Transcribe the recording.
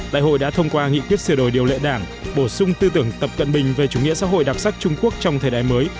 đại hội đã thông qua nghị quyết sửa đổi điều lệ đảng bổ sung tư tưởng tập cận bình về chủ nghĩa xã hội đặc sắc trung quốc trong thời đại mới